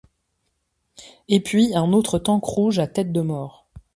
Et puis un autre tank rouge à tête de mort.